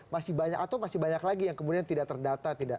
masih banyak atau masih banyak lagi yang kemudian tidak terdata